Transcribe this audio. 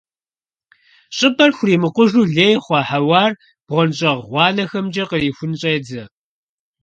ЩIыпIэр хуримыкъужу лей хъуа хьэуар бгъуэнщIагъ гъуанэхэмкIэ кърихун щIедзэ.